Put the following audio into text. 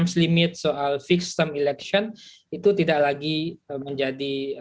term limit soal fixed term election itu tidak lagi menjadi